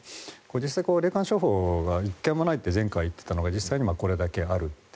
実際に霊感商法が１件もないって前回は言っていたのが実際はこれだけあると。